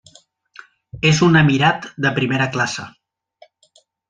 És un emirat de primera classe.